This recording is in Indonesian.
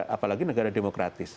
apalagi negara demokratis